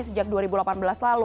sejak dua ribu delapan belas lalu